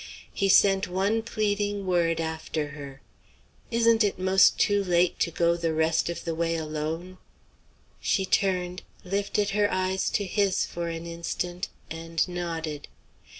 He sent one pleading word after her: "Isn't it most too late to go the rest of the way alone?" She turned, lifted her eyes to his for an instant, and nodded.